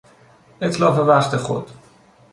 اتلاف وقت خود